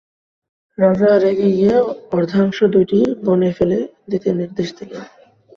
রাজা রেগে গিয়ে অর্ধাংশ দুইটি বনে ফেলে দিতে নির্দেশ দিলেন।